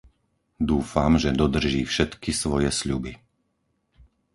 Dúfam, že dodrží všetky svoje sľuby.